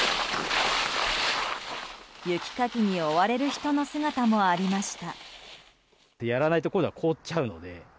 雪かきに追われる人の姿もありました。